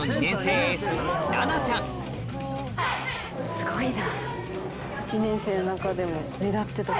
すごいな。